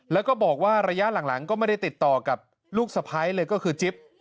แล้วก็บอกว่าระยะหลังก็ไม่ได้ติดต่อกับลูกสะพ้ายเลยก็คือจิ๊บ